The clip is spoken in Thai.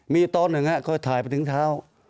มีตอนหนึ่งเคยถ่ายไปถึงเท้า